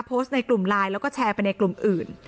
ในกลุ่มไลน์แล้วก็แชร์ไปในกลุ่มอื่น